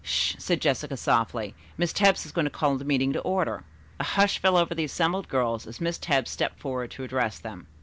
"Sh h h!" said Jessica softly. "Miss Tebbs is going to call the meeting to order." A hush fell over the assembled girls as Miss Tebbs stepped forward to address them.